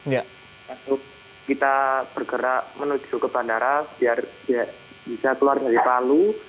untuk kita bergerak menuju ke bandara biar bisa keluar dari palu